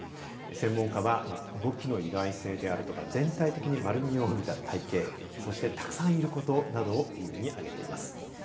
専門家は動きの意外性であるとか全体的に丸みを帯びた体型そして、たくさんいることなどを理由にあげています。